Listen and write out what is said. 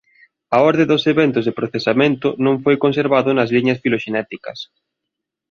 A orde dos eventos de procesamento non foi conservado nas liñas filoxenéticas.